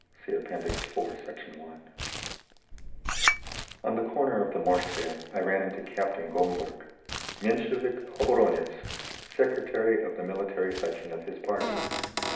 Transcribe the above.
(See App. IV, Sect. 1) On the corner of the Morskaya I ran into Captain Gomberg, Menshevik oboronetz, secretary of the Military Section of his party.